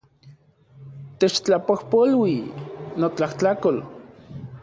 Techtlapojpolui, notlajtlakol